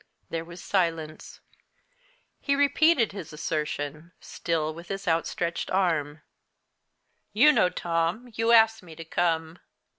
There was silence. He repeated his assertion, still with his outstretched arm. "You know, Tom, you asked me to come."